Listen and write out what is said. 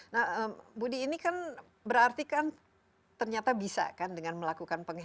nah budi ini kan berarti kan ternyata bisa kan dengan melakukan penghinaan